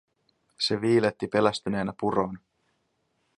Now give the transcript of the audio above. Se viiletti pelästyneenä puroon.